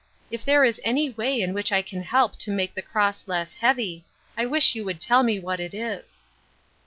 If there is any way in which I can help to make the cross less heavy, I wish you would tell me what it is."